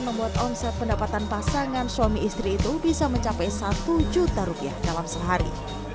membuat omset pendapatan pasangan suami istri itu bisa mencapai satu juta rupiah dalam sehari